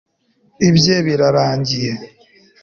ibye birangiye